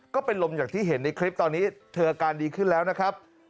ก็เป็นลมอย่างที่เห็นในคลิปตอนนี้เธออาการดีขึ้นแล้วนะครับ